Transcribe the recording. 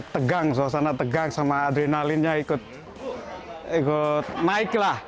tegang suasana tegang sama adrenalinnya ikut naik lah